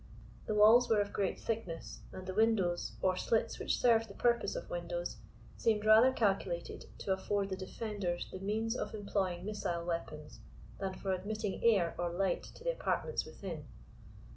The walls were of great thickness, and the windows, or slits which served the purpose of windows, seemed rather calculated to afford the defenders the means of employing missile weapons, than for admitting air or light to the apartments within.